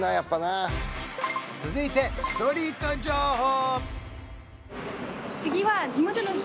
続いてストリート情報！